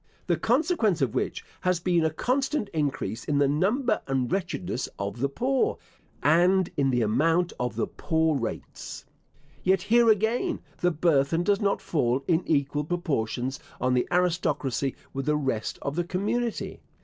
The consequence of which has been a constant increase in the number and wretchedness of the poor, and in the amount of the poor rates. Yet here again the burthen does not fall in equal proportions on the aristocracy with the rest of the community.